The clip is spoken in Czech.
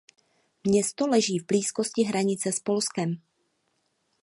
Město leží v blízkosti hranice s Polskem.